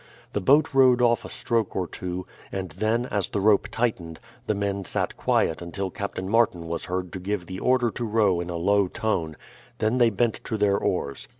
The boat rowed off a stroke or two, and then, as the rope tightened, the men sat quiet until Captain Martin was heard to give the order to row in a low tone; then they bent to their oars.